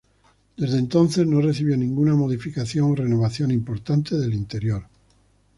Desde entonces, no recibió ninguna modificación o renovación importante del interior.